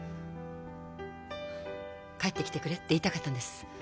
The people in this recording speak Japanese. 帰ってきてくれって言いたかったんです。